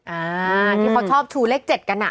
อ่าที่เขาชอบชูเลขเจ็ดกันอ่ะ